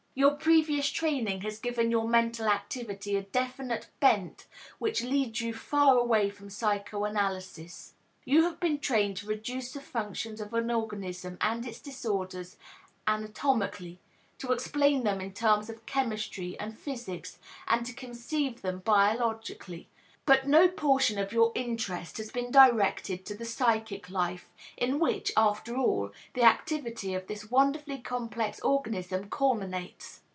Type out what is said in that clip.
Your previous training has given your mental activity a definite bent which leads you far away from psychoanalysis. You have been trained to reduce the functions of an organism and its disorders anatomically, to explain them in terms of chemistry and physics and to conceive them biologically, but no portion of your interest has been directed to the psychic life, in which, after all, the activity of this wonderfully complex organism culminates.